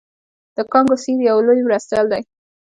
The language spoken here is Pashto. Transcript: د کانګو سیند یو لوی مرستیال دی.